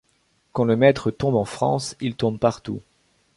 Quand le maître tombe en France, il tombe partout.